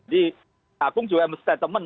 di agung juga ada statement